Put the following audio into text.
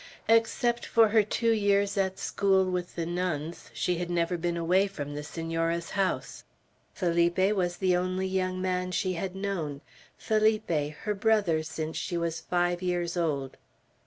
Except for her two years at school with the nuns, she had never been away from the Senora's house. Felipe was the only young man she had known, Felipe, her brother since she was five years old.